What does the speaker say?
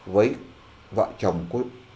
với vợ chồng cô